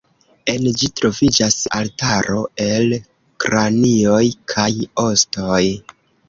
En ĝi troviĝas altaro el kranioj kaj ostoj.